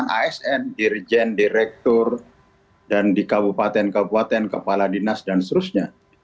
asn dirjen direktur dan di kabupaten kabupaten kepala dinas dan seterusnya